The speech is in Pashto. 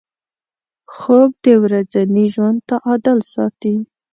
خوب د ورځني ژوند تعادل ساتي